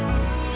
tidak akan "